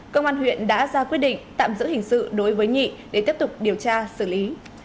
công an huyện đã ra quyết định tạm giữ hình sự đối với nhị để tiếp tục điều tra xử lý